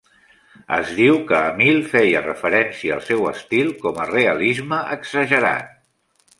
Es diu que Emil feia referència al seu estil com a "realisme exagerat".